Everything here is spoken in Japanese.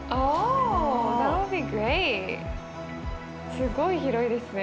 すごい広いですね。